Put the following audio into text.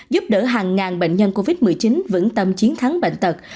giúp đỡ hàng ngàn bệnh nhân covid một mươi chín vững tâm chiến thắng bệnh tật